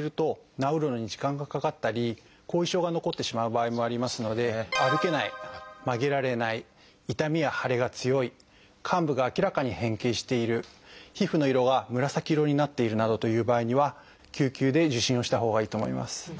治るのに時間がかかったり後遺症が残ってしまう場合もありますので歩けない曲げられない痛みや腫れが強い患部が明らかに変形している皮膚の色が紫色になっているなどという場合には救急で受診をしたほうがいいと思います。